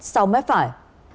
sau mép phải